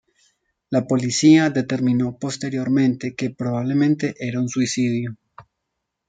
La policía determinó posteriormente que probablemente era un suicidio.